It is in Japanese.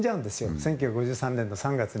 １９５３年の３月に。